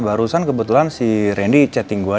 barusan kebetulan si randy chatting gue aja